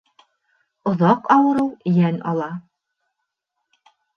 Оҙаҡ ауырыу йән ала